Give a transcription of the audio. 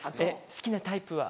好きなタイプは？